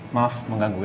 maaf mengganggu ya